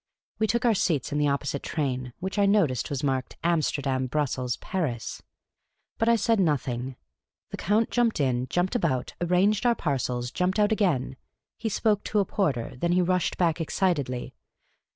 We took our seats in the opposite train, which I noticed The Cantankerous Old Lady 29 was marked "Amsterdam, Bruxelles, Paris." But I said nothing. The Count jumped in, jumped about, arranged our parcels, jumped out again. He spoke to a porter ; then he rushed back excitedly.